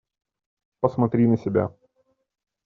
Посмотри на себя.